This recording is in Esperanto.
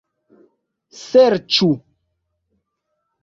serĉu